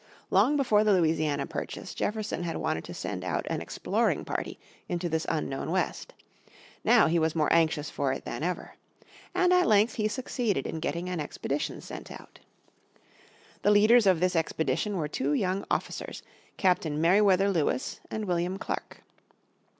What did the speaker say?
Long before the Louisiana Purchase Jefferson had wanted to send out an exploring party into this unknown west. Now he was more anxious for it than ever. And at length he succeeded in getting an expedition sent out. The leaders of this expedition were two young officers, Captain Merriwether Lewis and William Clark.